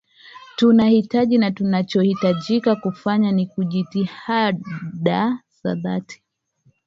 tunahitaji tunachohitajika kufanya ni jitihada za dhati